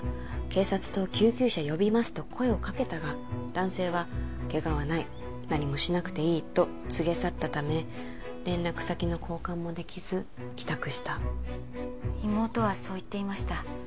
警察と救急車呼びます」と声をかけたが男性は「ケガはない何もしなくていい」と告げ去ったため連絡先の交換もできず帰宅した妹はそう言っていました